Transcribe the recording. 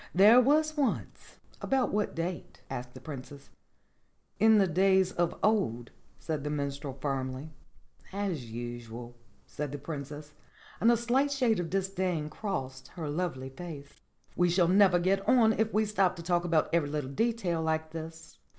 There was once " "About what date?" asked the Princess. "In the days of old," said the Minstrel firmly. "As usual," said the Princess, and a slight shade of disdain crossed her lovely face. "We shall never get on if we stop to talk about every little detail like this.